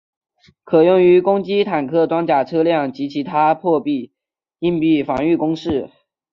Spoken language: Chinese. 可用于攻击坦克装甲车辆及其它硬壁防御工事。